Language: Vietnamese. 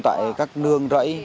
tại các nương rẫy